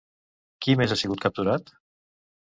Qui més ha sigut capturat?